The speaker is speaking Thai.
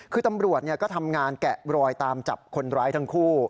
คือตำรวจก็ทำงานแกะรอยตามจับคนร้ายทั้งคู่